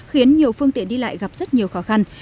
khiến nhiều phương tiện đi lại gặp rất nhiều khó khăn